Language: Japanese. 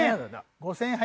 ５０００円か。